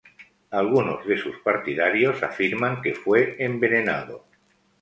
Algunos de sus partidarios afirman que fue envenenado.